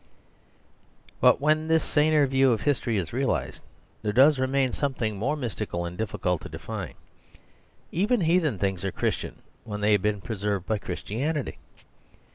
But when this saner view of history is real ised, there does remain something more mys tical and difficult to define. Even heathen things are Christian when they have been pre served by Christianity.